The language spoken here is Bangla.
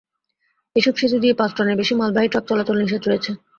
এসব সেতু দিয়ে পাঁচ টনের বেশি মালবাহী ট্রাক চলাচল নিষেধ রয়েছে।